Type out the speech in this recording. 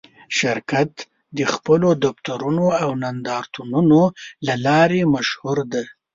شرکت د خپلو دفترونو او نندارتونونو له لارې مشهور دی.